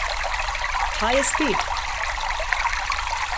High Speed!